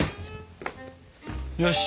よし！